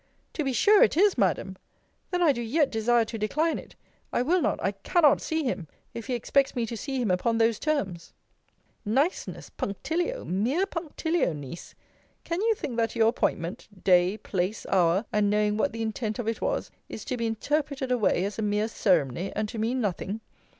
To be sure it is, Madam! Then I do yet desire to decline it. I will not, I cannot, see him, if he expects me to see him upon those terms. Niceness, punctilio, mere punctilio, Niece! Can you think that your appointment, (day, place, hour,) and knowing what the intent of it was, is to be interpreted away as a mere ceremony, and to mean nothing?